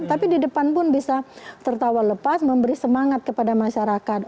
tapi di depan pun bisa tertawa lepas memberi semangat kepada masyarakat